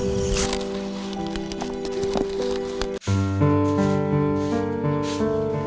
ลูกชายก็ชื่อปัชยามีตีชื่อเล่นวะอ๊อฟ